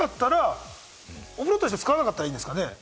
お風呂として使わなければいいんですかね？